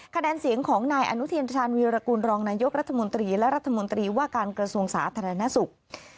คะแนนเสียงของนายอนุทินชาญวีรกูลรองนายกรัฐมนตรีและรัฐมนตรีว่าการกระทรวงสาธารณสุข